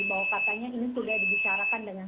bahwa katanya ini sudah dibicarakan dengan